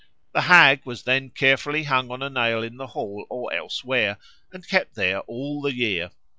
The Hag was then carefully hung on a nail in the hall or elsewhere and kept there all the year.